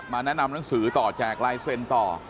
แนะนำหนังสือต่อแจกลายเซ็นต์ต่อ